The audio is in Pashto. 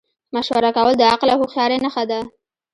مشوره کول د عقل او هوښیارۍ نښه ده.